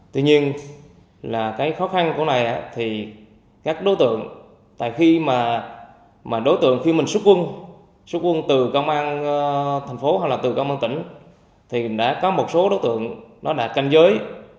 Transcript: tuy nhiên là cái khó khăn của này thì các đối tượng tại khi mà đối tượng khi mình xuất quân xuất quân từ công an thành phố hoặc là từ công an tỉnh thì đã có một số đối tượng nó đã canh giới